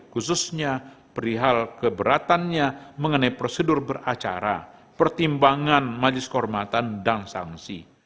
khususnya perihal keberatannya mengenai prosedur beracara pertimbangan majelis kehormatan dan sanksi